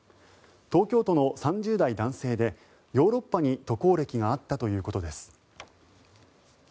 東京都の３０代男性でヨーロッパに渡航歴があったということです。